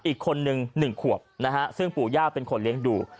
อีกคนนึง๑ขวบนะฮะซึ่งปู่ย่าเป็นคนเลี้ยงดู